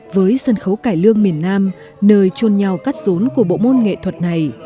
với sân khấu cải lương miền nam nơi trôn nhau cắt rốn của bộ môn nghệ thuật này